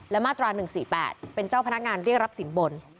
และมาตรา๑๔๘เป็นเจ้าพนักงานเรียกรับสินบน